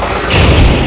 jangan bunuh saya